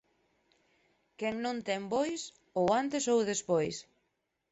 Quen non ten bois, ou antes ou despois.